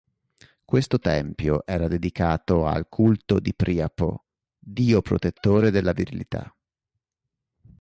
Questo tempio era dedicato al culto di Priapo, dio protettore della virilità.